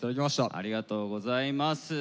ありがとうございます。